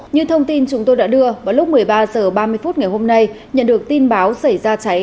như thông tin chúng tôi đã đưa vào lúc một mươi ba h ba mươi phút ngày hôm nay nhận được tin báo xảy ra cháy